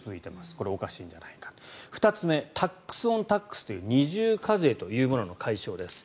これはおかしいんじゃないか２つ目タックス・オン・タックスという二重課税というものの解消です。